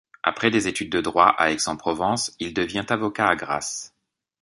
Après des études de droit à Aix-en-Provence, il devient avocat à Grasse.